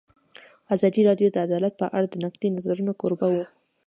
ازادي راډیو د عدالت په اړه د نقدي نظرونو کوربه وه.